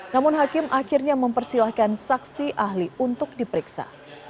namun hakim akhirnya mempersilahkan saksi ahli untuk diperiksa